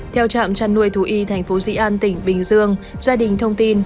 theo trạm chăn nuôi thú y thành phố dị an tỉnh bình dương gia đình thông tin